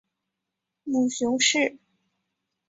母熊氏。